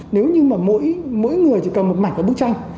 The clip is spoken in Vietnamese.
nếu như mà mỗi người chỉ cần một mảnh của bức tranh